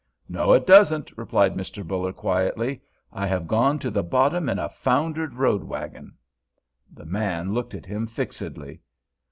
"No, it doesn't," replied Mr. Buller, quietly. "I have gone to the bottom in a foundered road wagon." The man looked at him fixedly.